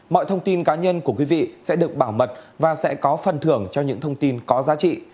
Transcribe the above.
mọi thông tin cá nhân của quý vị sẽ được bảo mật và sẽ có phần thưởng cho những thông tin có giá trị